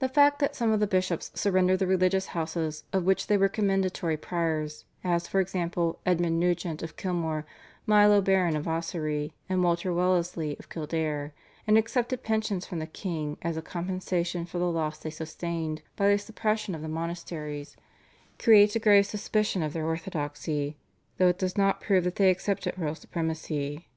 The fact that some of the bishops surrendered the religious houses of which they were commendatory priors, as for example, Edmund Nugent of Kilmore, Milo Baron of Ossory, and Walter Wellesley of Kildare, and accepted pensions from the king as a compensation for the loss they sustained by the suppression of the monasteries, creates a grave suspicion of their orthodoxy, though it does not prove that they accepted royal supremacy.